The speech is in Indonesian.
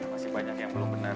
masih banyak yang belum benar